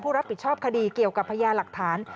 รับผิดชอบคดีเกี่ยวกับพญาหลักฐาน